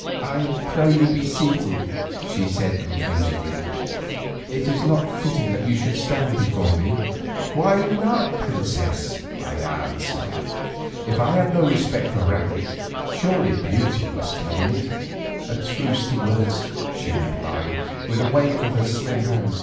"I pray you be seated," she said confusedly; "it is not fitting that you should stand before me." "Why not, princess?" I answered. "If I had no respect for rank, surely beauty must claim it." "A truce to words," she replied with a wave of her slim hand.